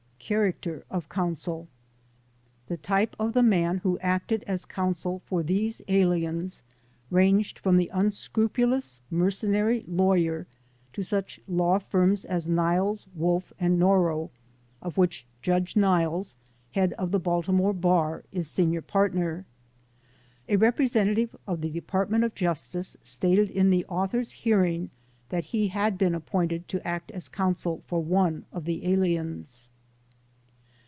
Character of Counsel The type of the man who acted as counsel for these aliens ranged from the unscrupulous mercenary lawyer to such law firms as Niles, Wolff & Norrow, of which Judge Niles, head of the Baltimore Bar, is senior part tier, A representative of the Department of Justice stated in the author's hearing that he had been appointed to act as counsel for one of the aliens.